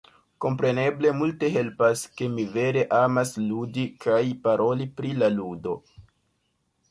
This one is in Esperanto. Kompreneble multe helpas, ke mi vere amas ludi kaj paroli pri la ludo.